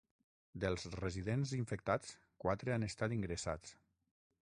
Dels residents infectats, quatre han estat ingressats.